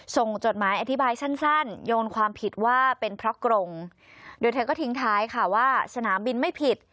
จดหมายอธิบายสั้นโยนความผิดว่าเป็นเพราะกรงโดยเธอก็ทิ้งท้ายค่ะว่าสนามบินไม่ผิด